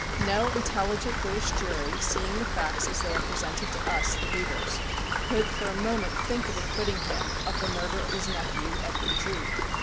No intelligent British jury, seeing the facts as they are presented to us, the readers, could for a moment think of acquitting him of the murder of his nephew, Edwin Drood.